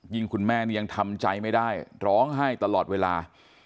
ยิ่งคุณแม่ยังทำใจไม่ได้ร้องให้ตลอดเวลา